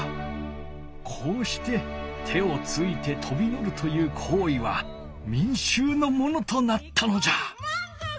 こうして手をついてとびのるというこういはみんしゅうのものとなったのじゃ。